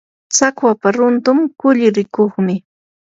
tsakwapa runtun kulli rikuqmi.